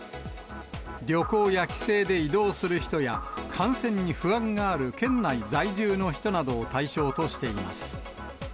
旅行や帰省で移動する人や、感染に不安がある県内在住の人などを対象としています。